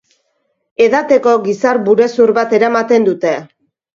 Edateko giza-burezur bat eramaten dute.